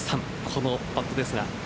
このパットですが。